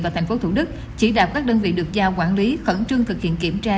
và tp thủ đức chỉ đạo các đơn vị được giao quản lý khẩn trương thực hiện kiểm tra